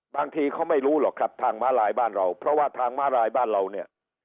บางทีเขาไม่รู้หรอกครับทางม้าลายบ้านเราเพราะว่าทางม้าลายบ้านเราเนี่ย